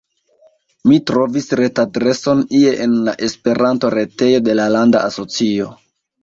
Mi trovis retadreson ie en la Esperanto-retejo de la landa asocio.